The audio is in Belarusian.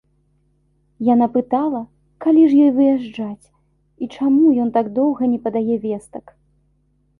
Яна пытала, калі ж ёй выязджаць і чаму ён так доўга не падае вестак.